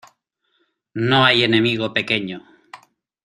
No hay enemigo pequeño.